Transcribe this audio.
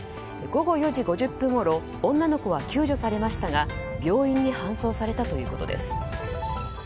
午後４時５０分ごろ女の子は救助されましたが病院に搬送されたということです。